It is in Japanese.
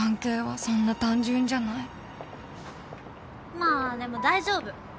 まあでも大丈夫。